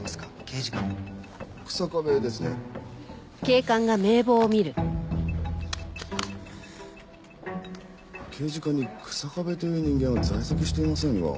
刑事課に草壁という人間は在籍していませんが。